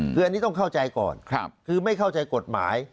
คืออันนี้ต้องเข้าใจก่อนคือไม่เข้าใจกฎหมาย